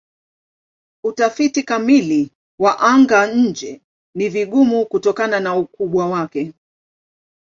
Utafiti kamili wa anga-nje ni vigumu kutokana na ukubwa wake.